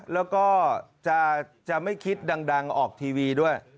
แล้วก็จะไม่คิดดังออกทีวีด้วย